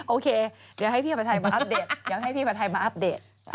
โอเคเดี๋ยวให้พี่ประทัยมาอัปเดต